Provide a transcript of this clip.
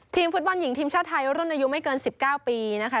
ฟุตบอลหญิงทีมชาติไทยรุ่นอายุไม่เกิน๑๙ปีนะคะ